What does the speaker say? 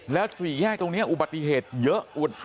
แล้วสี่แยกตรงนี้อุบัติเหตุเยอะอุด